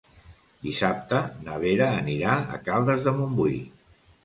Dissabte na Vera anirà a Caldes de Montbui.